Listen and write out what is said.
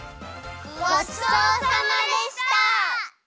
ごちそうさまでした！